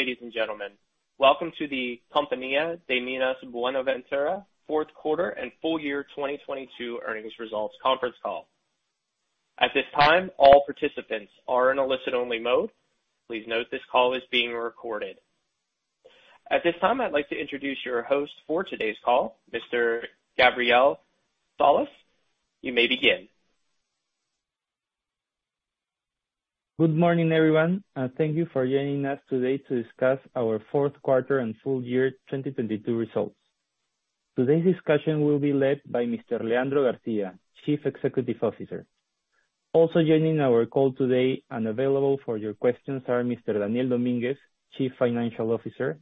Good day, ladies and gentlemen. Welcome to the Compañía de Minas Buenaventura fourth quarter and full year 2022 earnings results conference call. At this time, all participants are in a listen only mode. Please note this call is being recorded. At this time, I'd like to introduce your host for today's call, Mr. Gabriel Salas. You may begin. Good morning, everyone, and thank you for joining us today to discuss our fourth quarter and full year 2022 results. Today's discussion will be led by Mr. Leandro Garcia, Chief Executive Officer. Also joining our call today and available for your questions are Mr. Daniel Dominguez, Chief Financial Officer,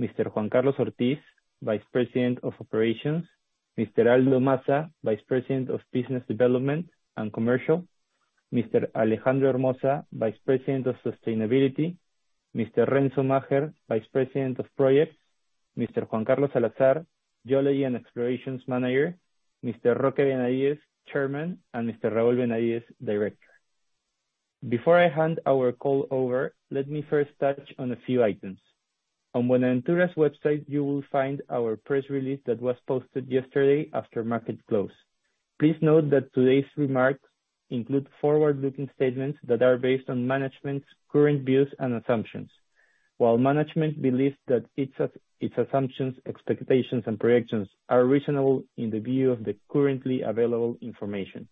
Mr. Juan Carlos Ortiz, Vice President of Operations, Mr. Aldo Massa, Vice President of Business Development and Commercial, Mr. Alejandro Hermoza, Vice President of Sustainability, Mr. Renzo Macher, Vice President of Projects, Mr. Juan Carlos Salazar, Geology and Explorations Manager, Mr. Roque Benavides, Chairman, and Mr. Raul Benavides, Director. Before I hand our call over, let me first touch on a few items. On Buenaventura's website, you will find our press release that was posted yesterday after market close. Please note that today's remarks include forward-looking statements that are based on management's current views and assumptions. While management believes that its assumptions, expectations, and projections are reasonable in the view of the currently available information,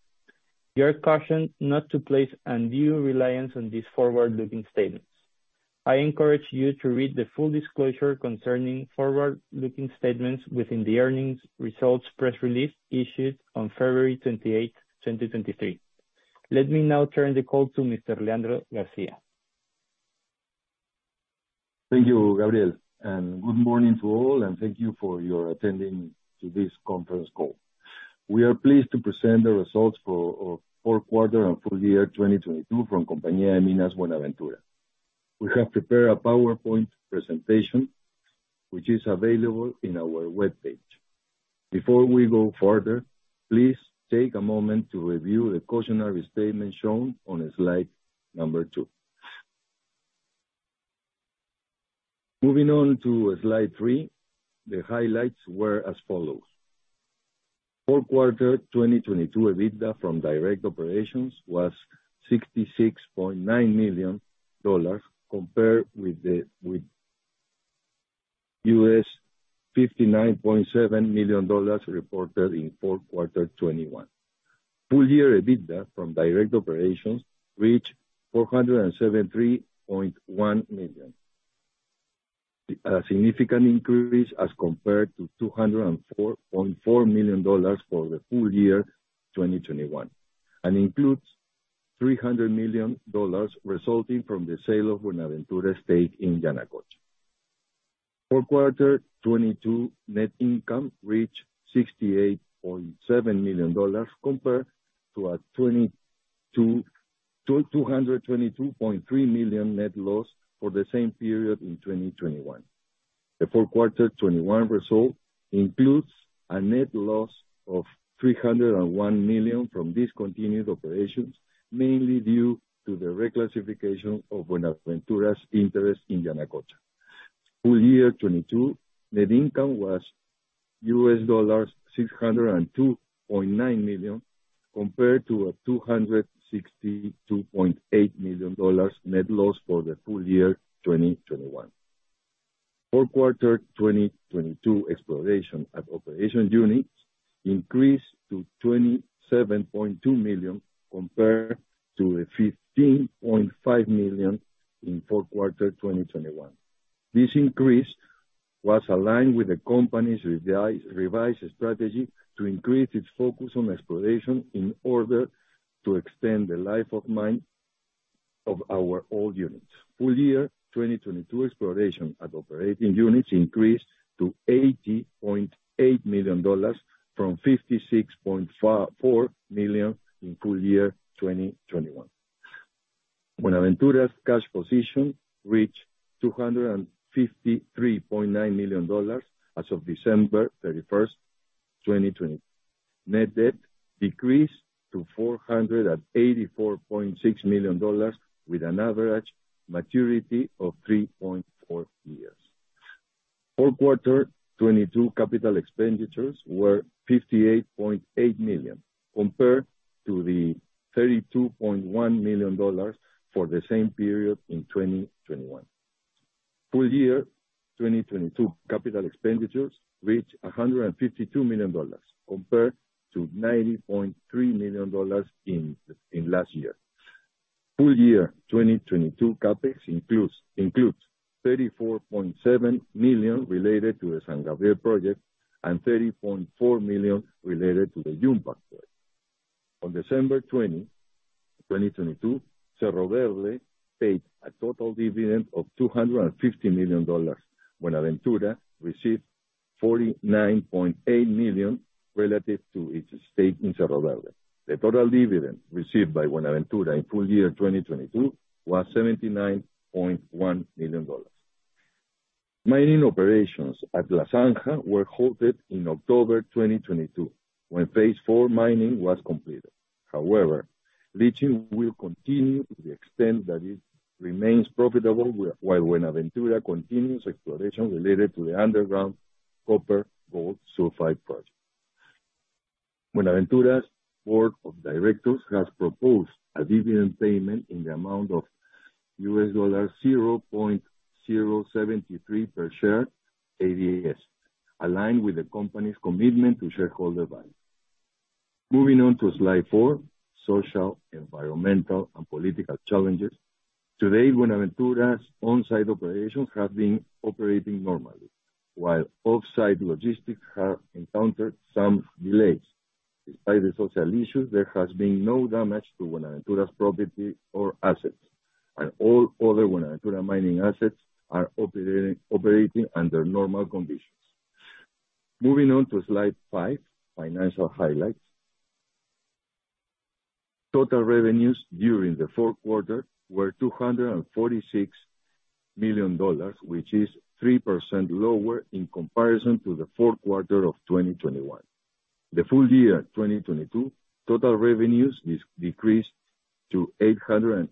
you are cautioned not to place undue reliance on these forward-looking statements. I encourage you to read the full disclosure concerning forward-looking statements within the earnings results press release issued on February 28th, 2023. Let me now turn the call to Mr. Leandro Garcia. Thank you, Gabriel, and good morning to all, and thank you for your attending to this conference call. We are pleased to present the results for our fourth quarter and full year 2022 from Compañía de Minas Buenaventura. We have prepared a PowerPoint presentation which is available in our webpage. Before we go further, please take a moment to review the cautionary statement shown on slide number two. Moving on to slide three, the highlights were as follows: Fourth quarter 2022 EBITDA from direct operations was $66.9 million, compared with $59.7 million reported in fourth quarter 2021. Full year EBITDA from direct operations reached $473.1 million. A significant increase as compared to $204.4 million for the full year 2021, includes $300 million resulting from the sale of Buenaventura's stake in Yanacocha. Fourth quarter 2022 net income reached $68.7 million compared to a $222.3 million net loss for the same period in 2021. The fourth quarter 2021 result includes a net loss of $301 million from discontinued operations, mainly due to the reclassification of Buenaventura's interest in Yanacocha. Full year 2022 net income was $602.9 million, compared to a $262.8 million net loss for the full year 2021. Fourth quarter 2022 exploration at operation units increased to $27.2 million compared to $15.5 million in Fourth quarter 2021. This increase was aligned with the company's revised strategy to increase its focus on exploration in order to extend the life of mine of our old units. Full year 2022 exploration at operating units increased to $80.8 million from $56.4 million in full year 2021. Buenaventura's cash position reached $253.9 million as of December 31st, 2020. Net debt decreased to $484.6 million with an average maturity of 3.4 years. Fourth quarter 2022 capital expenditures were $58.8 million, compared to $32.1 million for the same period in 2021. Full year 2022 capital expenditures reached $152 million, compared to $90.3 million in last year. Full year 2022 CapEx includes $34.7 million related to the San Gabriel project and $30.4 million related to the Yumpag project. On December 20, 2022, Cerro Verde paid a total dividend of $250 million. Buenaventura received $49.8 million relative to its stake in Cerro Verde. The total dividend received by Buenaventura in full year 2022 was $79.1 million. Mining operations at La Zanja were halted in October 2022 when Phase 4 mining was completed. However, leaching will continue to the extent that it remains profitable, while Buenaventura continues exploration related to the underground copper-gold sulfide project. Buenaventura's board of directors has proposed a dividend payment in the amount of $0.073 per share ADS, aligned with the company's commitment to shareholder value. Moving on to slide four, social, environmental, and political challenges. Today, Buenaventura's on-site operations have been operating normally while off-site logistics have encountered some delays. Despite the social issues, there has been no damage to Buenaventura's property or assets, and all other Buenaventura mining assets are operating under normal conditions. Moving on to slide five, financial highlights. Total revenues during the fourth quarter were $246 million, which is 3% lower in comparison to the fourth quarter of 2021. The full year 2022, total revenues is decreased to $825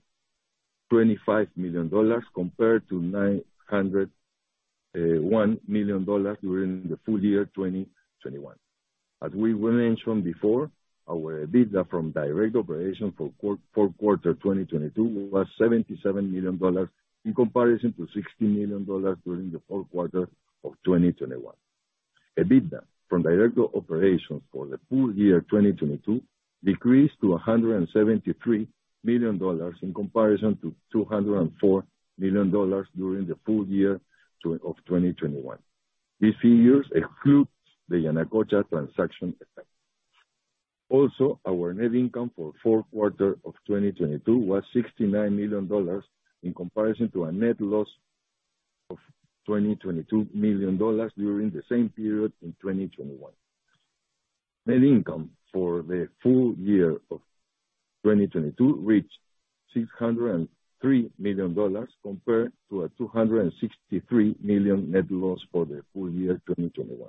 million compared to $901 million during the full year 2021. We mentioned before, our EBITDA from direct operation for fourth quarter 2022 was $77 million, in comparison to $60 million during the fourth quarter of 2021. EBITDA from direct operations for the full year 2022 decreased to $173 million in comparison to $204 million during the full year of 2021. These figures exclude the Yanacocha transaction effect. Our net income for fourth quarter of 2022 was $69 million in comparison to a net loss of $2,022 million during the same period in 2021. Net income for the full year of 2022 reached $603 million compared to a $263 million net loss for the full year 2021.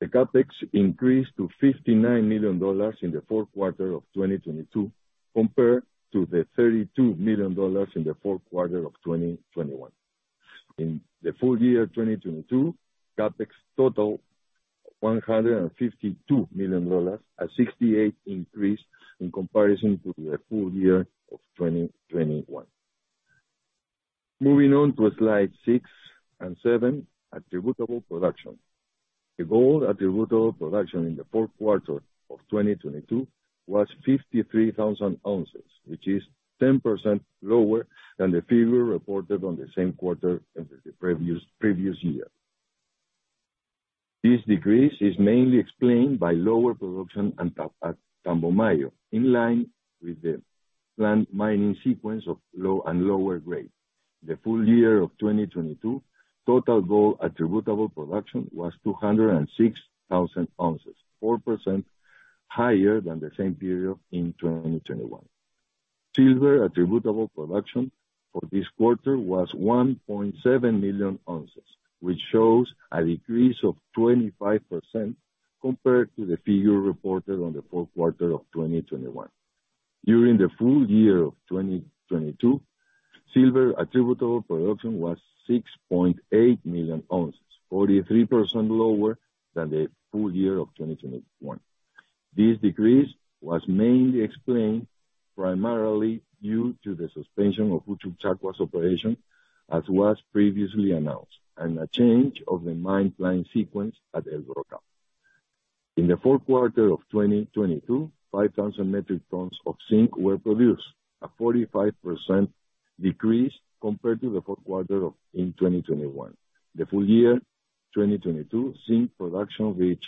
The CapEx increased to $59 million in the fourth quarter of 2022 compared to $32 million in the fourth quarter of 2021. In the full year 2022, CapEx total $152 million, a 68% increase in comparison to the full year of 2021. Moving on to slide six and seven, attributable production. The gold attributable production in the fourth quarter of 2022 was 53,000 ounces, which is 10% lower than the figure reported on the same quarter as the previous year. This decrease is mainly explained by lower production at Tambomayo, in line with the planned mining sequence of low and lower grade. The full year of 2022 total gold attributable production was 206,000 ounces, 4% higher than the same period in 2021. Silver attributable production for this quarter was 1.7 million ounces, which shows a decrease of 25% compared to the figure reported on the fourth quarter of 2021. During the full year of 2022, silver attributable production was 6.8 million ounces, 43% lower than the full year of 2021. This decrease was mainly explained primarily due to the suspension of Uchucchacua's operation, as was previously announced, and a change of the mine planning sequence at El Brocal. In the fourth quarter of 2022, 5,000 metric tons of zinc were produced, a 45% decrease compared to the fourth quarter of 2021. The full year 2022, zinc production reached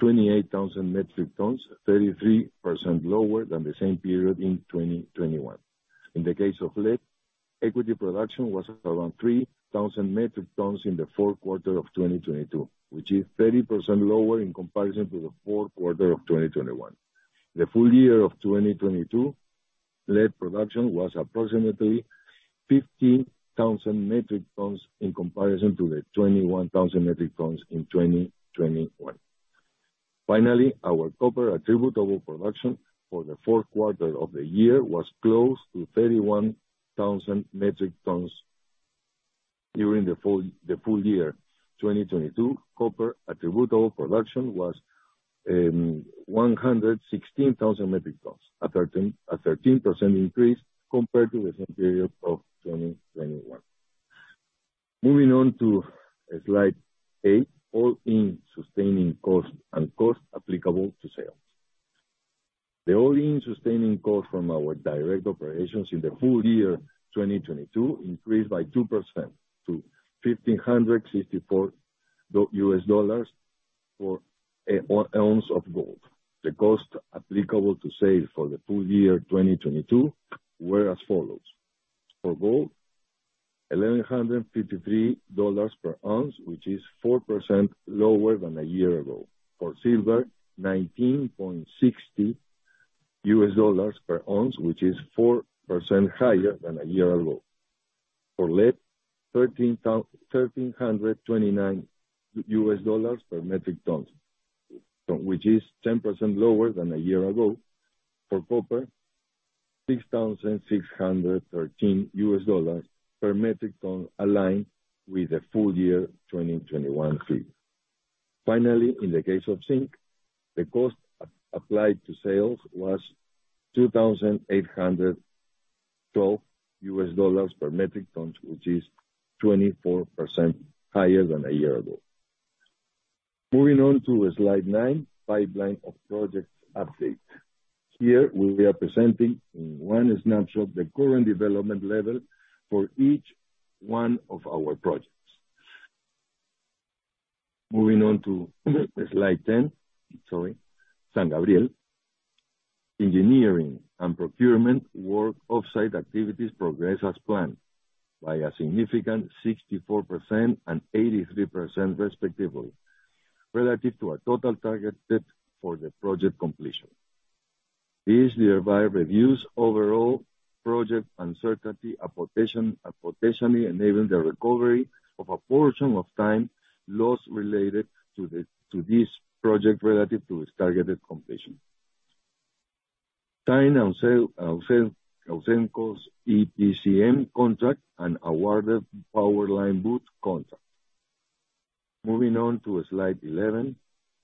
28,000 metric tons, 33% lower than the same period in 2021. In the case of lead, equity production was around 3,000 metric tons in the fourth quarter of 2022, which is 30% lower in comparison to the fourth quarter of 2021. The full year of 2022, lead production was approximately 15,000 metric tons in comparison to the 21,000 metric tons in 2021. Finally, our copper attributable production for the fourth quarter of the year was close to 31,000 metric tons. During the full year 2022, copper attributable production was 116,000 metric tons, a 13% increase compared to the same period of 2021. Moving on to slide eight, all-in sustaining cost and cost applicable to sales. The all-in sustaining cost from our direct operations in the full year 2022 increased by 2% to $1,564 ounce of gold. The cost applicable to sales for the full year 2022 were as follows. For gold, $1,153 per ounce, which is 4% lower than a year ago. For silver, $19.60 per ounce, which is 4% higher than a year ago. For lead, $1,329 per metric ton, which is 10% lower than a year ago. For copper, $6,613 per metric ton, aligned with the full year 2021 fee. Finally, in the case of zinc, the cost applied to sales was $2,812 per metric ton, which is 24% higher than a year ago. Moving on to slide nine, pipeline of projects update. Here, we are presenting in one snapshot the current development level for each one of our projects. Moving on to slide 10. Sorry. San Gabriel. Engineering and procurement work offsite activities progress as planned by a significant 64% and 83% respectively, relative to our total target set for the project completion. This thereby reviews overall project uncertainty, apportation, and even the recovery of a portion of time lost related to this project relative to its targeted completion. Signed Ausenco's EPCM contract and awarded power line BOOT contract. Moving on to slide 11,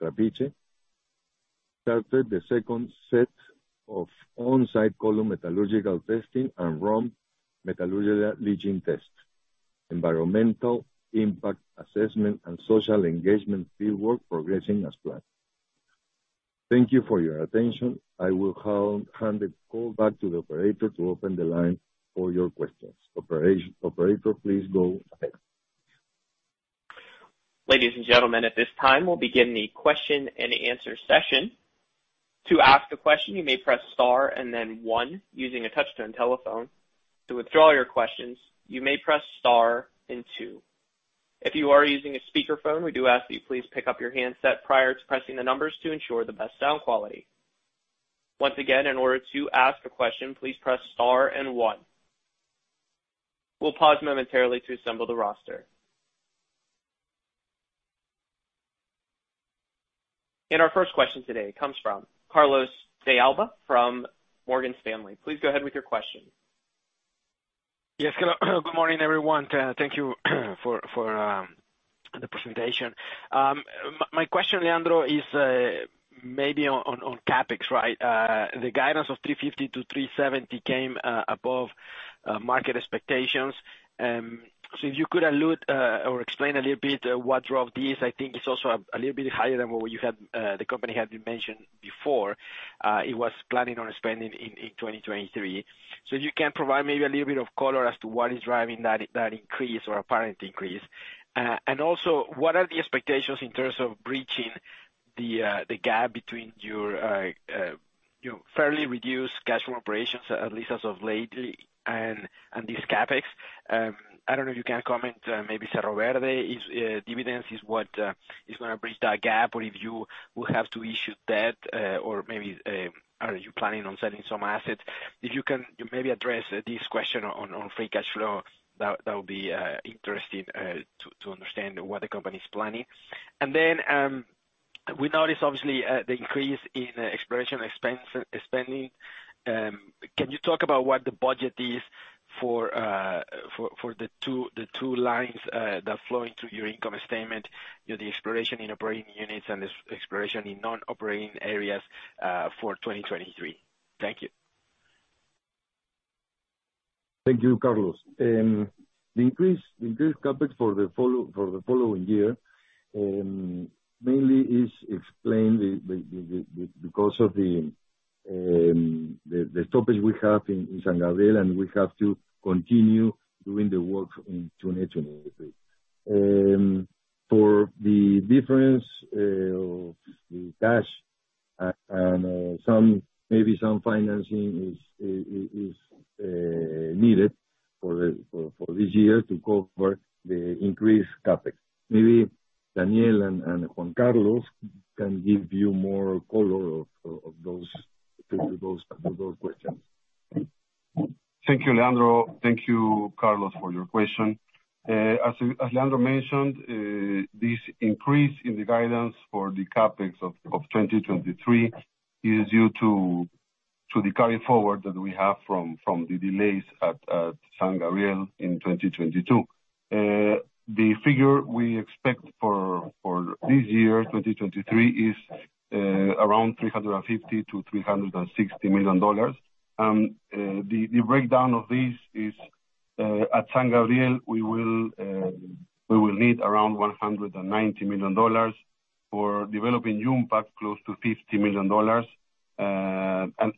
Trapiche. Started the second set of on-site column metallurgical testing and ROM metallurgical leaching tests. Environmental impact assessment and social engagement field work progressing as planned. Thank you for your attention. I will hand the call back to the operator to open the line for your questions. Operator, please go ahead. Ladies and gentlemen, at this time, we'll begin the question-and-answer session. To ask a question, you may press star and then one using a touch-tone telephone. To withdraw your questions, you may press star then two. If you are using a speakerphone, we do ask that you please pick up your handset prior to pressing the numbers to ensure the best sound quality. Once again, in order to ask a question, please press star and one. We'll pause momentarily to assemble the roster. Our first question today comes from Carlos de Alba from Morgan Stanley. Please go ahead with your question. Yes. Good morning, everyone. Thank you for the presentation. My question, Leandro, is maybe on CapEx, right? The guidance of $350-$370 came above market expectations. If you could allude or explain a little bit what drove this. I think it's also a little bit higher than what you had, the company had mentioned before, it was planning on spending in 2023. You can provide maybe a little bit of color as to what is driving that increase or apparent increase. And also, what are the expectations in terms of bridging the gap between your, you know, fairly reduced cash from operations, at least as of late, and this CapEx? I don't know if you can comment, maybe Cerro Verde is dividends is what is gonna bridge that gap, or if you will have to issue debt, or maybe, are you planning on selling some assets? If you can maybe address this question on free cash flow, that would be interesting to understand what the company is planning. We noticed obviously the increase in exploration expense spending. Can you talk about what the budget is for the two lines that flow into your income statement? You know, the exploration in operating units and exploration in non-operating areas for 2023. Thank you. Thank you, Carlos. The increased CapEx for the following year, mainly is explained with because of the stoppage we have in San Gabriel, and we have to continue doing the work in 2023. For the difference, the cash and some, maybe some financing is needed for this year to cover the increased CapEx. Maybe Daniel and Juan Carlos can give you more color of those, to those questions. Thank you, Leandro. Thank you, Carlos, for your question. As Leandro mentioned, this increase in the guidance for the CapEx of 2023 is due to the carry-forward that we have from the delays at San Gabriel in 2022. The figure we expect for this year, 2023, is around $350 million-$360 million. The breakdown of this is at San Gabriel, we will need around $190 million. For developing Yumpag, close to $50 million.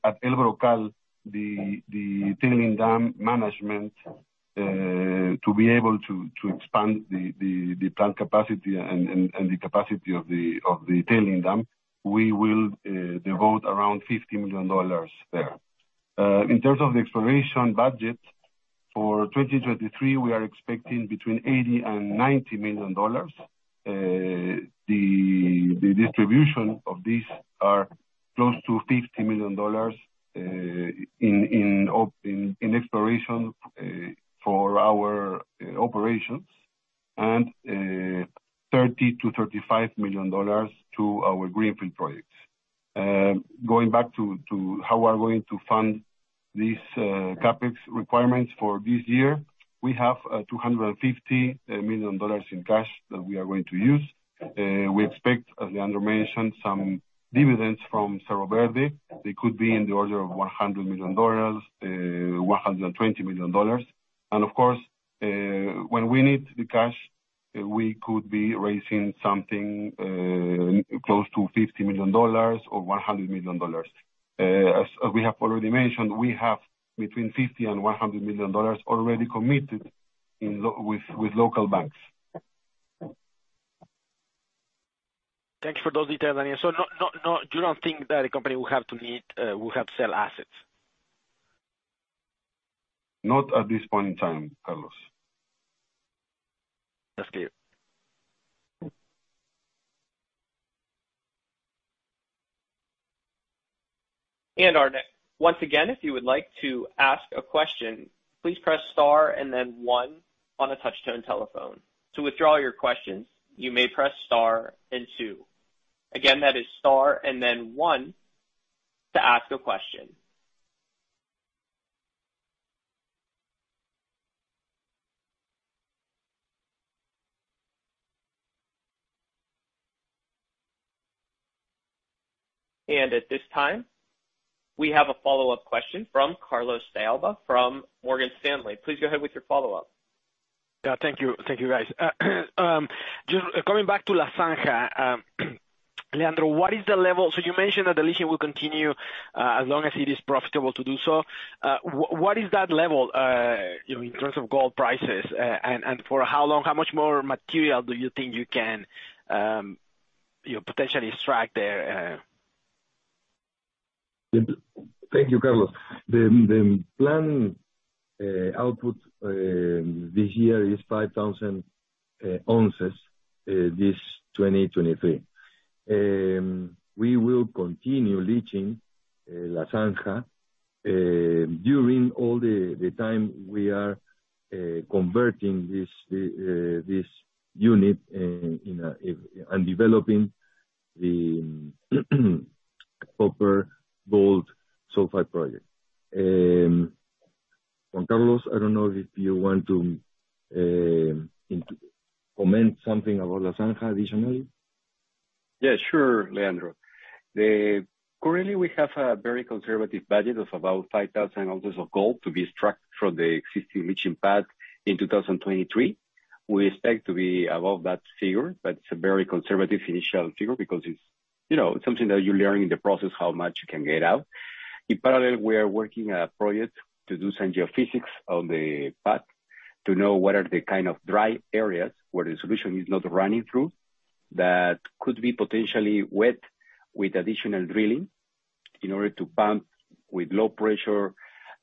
At El Brocal, the tailing dam management to be able to expand the plant capacity and the capacity of the tailing dam, we will devote around $50 million there. In terms of the exploration budget for 2023, we are expecting between $80 million and $90 million. The distribution of these are close to $50 million in exploration for our operations and $30 million-$35 million to our greenfield projects. Going back to how we're going to fund these CapEx requirements for this year. We have $250 million in cash that we are going to use. We expect, as Leandro mentioned, some dividends from Cerro Verde. They could be in the order of $100 million, $120 million. Of course, when we need the cash, we could be raising something close to $50 million or $100 million. As we have already mentioned, we have between $50 million and $100 million already committed with local banks. Thanks for those details, Daniel. You don't think that a company will have to sell assets? Not at this point in time, Carlos. That's clear. Once again, if you would like to ask a question, please press star and then one on a touch tone telephone. To withdraw your questions, you may press star and two. Again, that is star and then one to ask a question. At this time, we have a follow-up question from Carlos de Alba from Morgan Stanley. Please go ahead with your follow-up. Yeah, thank you. Thank you, guys. Just coming back to La Zanja, Leandro, you mentioned that the leaching will continue, as long as it is profitable to do so. What is that level, you know, in terms of gold prices? And for how long, how much more material do you think you can, you know, potentially extract there? Thank you, Carlos. The planned output this year is 5,000 ounces this 2023. We will continue leaching La Zanja during all the time we are converting this unit and developing the copper gold sulfide project. Juan Carlos, I don't know if you want to comment something about La Zanja additionally? Yeah, sure, Leandro. The, currently we have a very conservative budget of about 5,000 ounces of gold to be extracted from the existing leaching pad in 2023. We expect to be above that figure, but it's a very conservative initial figure because it's, you know, something that you're learning in the process how much you can get out. In parallel, we are working a project to do some geophysics on the pad to know what are the kind of dry areas where the solution is not running through that could be potentially wet with additional drilling in order to pump with low pressure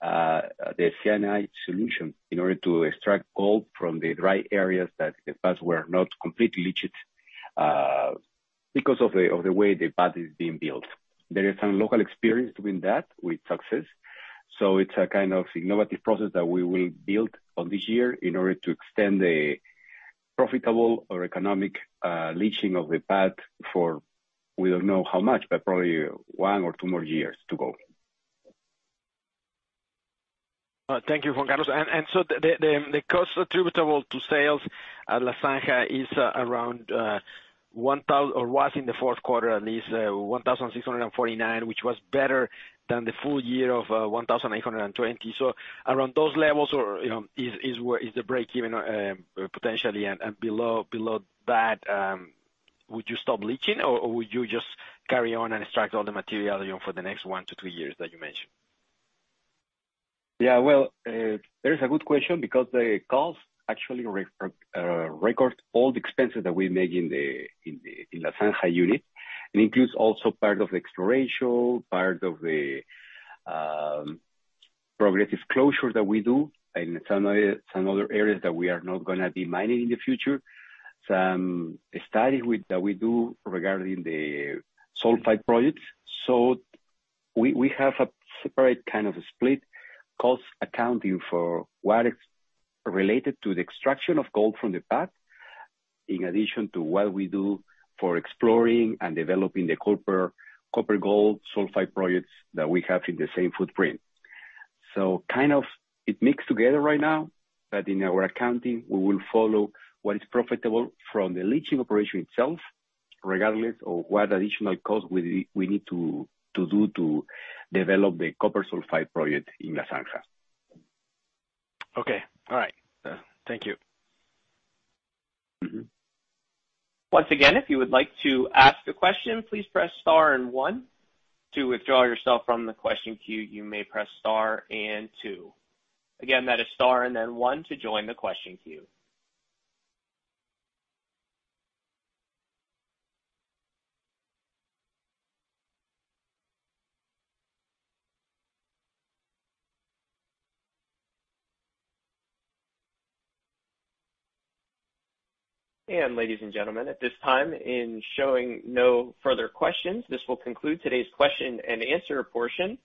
the cyanide solution in order to extract gold from the dry areas that at first were not completely leached because of the way the pad is being built. There is some local experience doing that with success. It's a kind of innovative process that we will build on this year in order to extend the profitable or economic leaching of the pad for, we don't know how much, but probably one or two more years to go. Thank you, Juan Carlos. The cost attributable to sales at La Zanja is around or was in the fourth quarter at least, $1,649, which was better than the full year of $1,820. Around those levels or, you know, is where is the break even, potentially and below that, would you stop leaching or would you just carry on and extract all the material, you know, for the next one to two years that you mentioned? Yeah. Well, that is a good question because the cost actually records all the expenses that we make in the, in La Zanja unit. It includes also part of the exploration, part of the progressive closure that we do in some some other areas that we are not gonna be mining in the future. Some study with, that we do regarding the sulfide projects. We have a separate kind of split cost accounting for what is related to the extraction of gold from the pad, in addition to what we do for exploring and developing the copper gold sulfide projects that we have in the same footprint. Kind of it mixed together right now, but in our accounting we will follow what is profitable from the leaching operation itself, regardless of what additional cost we need to do to develop the copper sulfide project in La Zanja. Okay. All right. Thank you. Mm-hmm. Once again, if you would like to ask a question, please press star and one. To withdraw yourself from the question queue, you may press star and two. Again, that is star and then one to join the question queue. Ladies and gentlemen, at this time, in showing no further questions, this will conclude today's question and answer portion.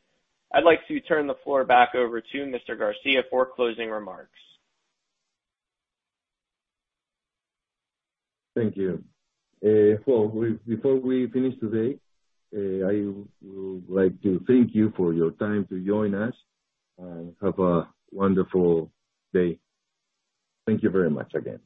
I'd like to turn the floor back over to Mr. Garcia for closing remarks. Thank you. Well, before we finish today, I would like to thank you for your time to join us, and have a wonderful day. Thank you very much again.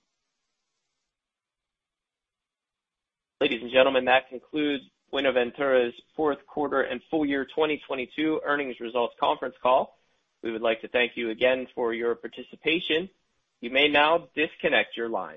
Ladies and gentlemen, that concludes Buenaventura's fourth quarter and full year 2022 earnings results conference call. We would like to thank you again for your participation. You may now disconnect your line.